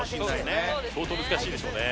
相当難しいでしょうね